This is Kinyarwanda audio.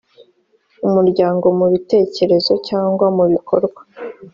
umuryango mu bitekerezo cyangwa mu bikorwa